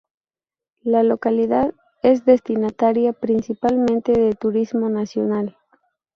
La localidad es destinataria principalmente de turismo nacional.